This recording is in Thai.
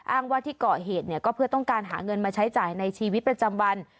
อ้างว่าที่เกาะเหตุเนี่ยก็เพื่อต้องการหาเงินมาใช้จ่ายในชีวิตประจำวัน